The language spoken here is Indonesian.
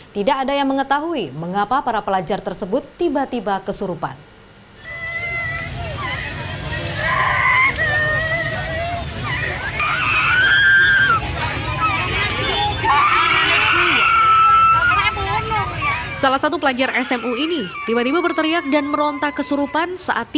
tidak ada yang mengetahui mengapa para pelajar tersebut tiba tiba kesurupan